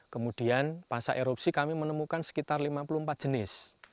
kemudian pasca erupsi kami menemukan sekitar lima puluh empat jenis